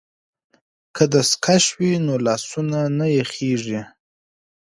که دستکش وي نو لاسونه نه یخیږي.